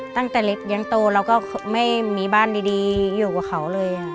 ตั้งแต่เล็กยังโตเราก็ไม่มีบ้านดีอยู่กับเขาเลย